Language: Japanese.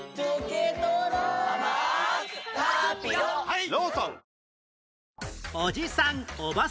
はい。